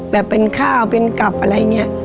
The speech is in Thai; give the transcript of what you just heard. เป็นข้าวเป็นกลับอะไรอย่างนี้